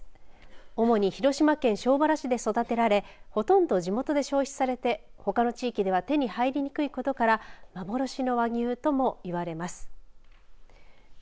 主に広島県庄原市で育てられほとんど地元で消費されてほかの地域では手に入りにくいことから幻の和牛とも言われます。